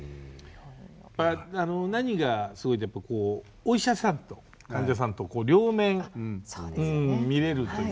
何がすごいってやっぱこうお医者さんと患者さんと両面見れるという。